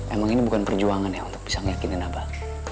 emang ini bukan perjuangan ya untuk bisa meyakinin abah